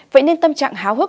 vậy nên tâm trạng háo hức